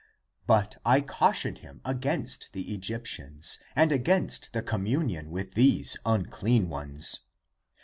But I cautioned him against the Egyptians And against the communion with these unclean ones.